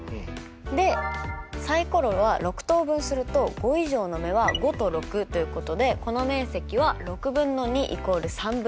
でサイコロは６等分すると５以上の目は５と６ということでこの面積は６分の２イコール３分の１ということですよね。